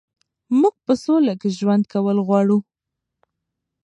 موږ په سوله کې ژوند کول غواړو.